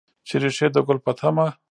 چې ریښې د ګل په تمه